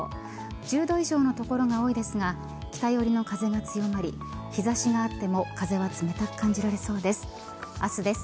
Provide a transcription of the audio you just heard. １０度以上の所が多いですが北寄りの風が強まり日差しがあっても風は冷たく感じられそうです。